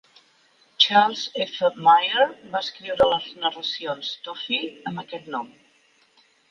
"Charles F Myer" va escriure les narracions "Toffee" amb aquest nom.